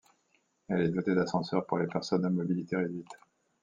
Elle est dotée d'ascenseurs pour les personnes à mobilité réduite.